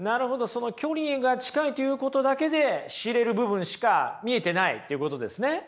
その距離が近いということだけで知れる部分しか見えてないっていうことですね。